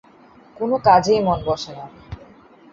কোনো কাজেই মন বসে না।